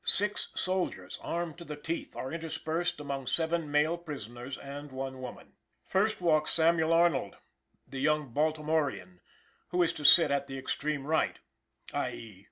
Six soldiers armed to the teeth are interspersed among seven male prisoners and one woman. First walks Samuel Arnold, the young Baltimorean, who is to sit at the extreme right (_i. e.